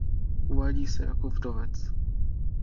Uvádí se jako vdovec.